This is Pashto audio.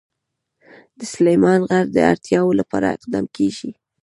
د سلیمان غر د اړتیاوو لپاره اقدامات کېږي.